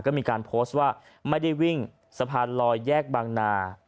ก็มีการโพสต์ว่าไม่ได้วิ่งสะพานลอยแยกบางนา